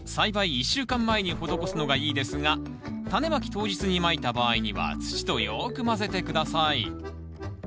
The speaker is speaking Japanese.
１週間前に施すのがいいですがタネまき当日にまいた場合には土とよく混ぜて下さい。